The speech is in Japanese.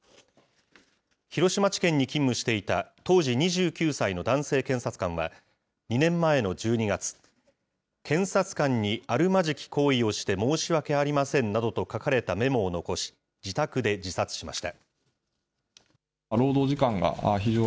広島地検に勤務していた当時２９歳の男性検察官は、２年前の１２月、検察官にあるまじき行為をして申し訳ありませんなどと書かれたメモを残し、自宅で自殺しました。